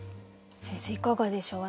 先生いかがでしょう？